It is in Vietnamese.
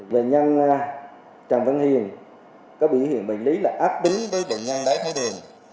về nhân trần văn hiền có biểu hiện bệnh lý là áp đính với bệnh nhân đáy khói đường